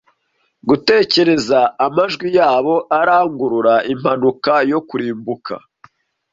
Gutekereza amajwi yabo arangurura impanuka yo kurimbuka,